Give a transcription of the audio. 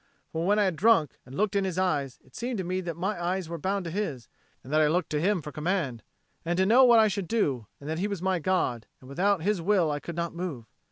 For when I had drunk and looked in his eyes, it seemed to me that my eyes were bound to his, and that I looked to him for command, and to know what I should do, and that he was my God, and without his will I could not move.